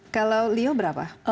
kalau leo berapa